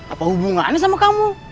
apa hubungannya sama kamu